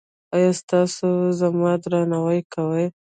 ایا تاسو زما درناوی کوئ؟